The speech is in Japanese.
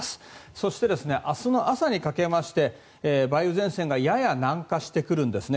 そして、明日の朝にかけまして梅雨前線がやや南下してくるんですね。